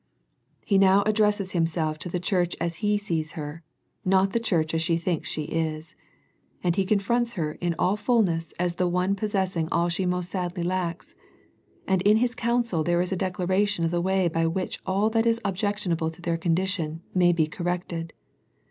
He now addresses Him self to the church as He sees her, not to the church as she thinks she is, and He confronts her in all fulness as the One possessing all she most sadly lacks, and in His counsel there is a declaration of the way by which all that is objectionable in their condition may be cor rected.